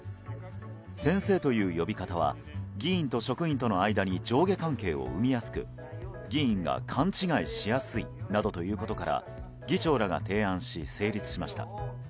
「先生」という呼び方は議員と職員との間に上下関係を生みやすく議員が勘違いしやすいなどということから議長らが提案し成立しました。